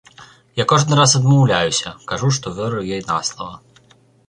Я кожны раз адмаўляюся, кажу, што веру ёй на слова.